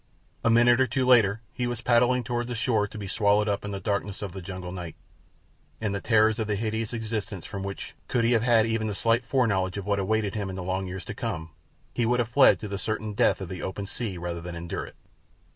A minute or two later he was paddling toward the shore to be swallowed up in the darkness of the jungle night, and the terrors of a hideous existence from which, could he have had even a slight foreknowledge of what awaited him in the long years to come, he would have fled to the certain death of the open sea rather than endure it.